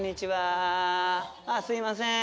あっすいません。